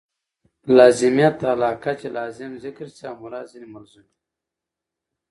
لازمیت علاقه؛ چي لازم ذکر سي او مراد ځني ملزوم يي.